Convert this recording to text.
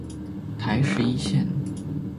台十一線